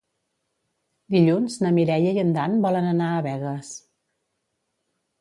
Dilluns na Mireia i en Dan volen anar a Begues.